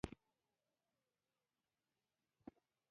د افغانستان امن او ثبات لپاره.